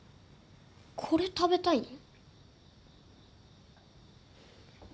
これ食べたいの？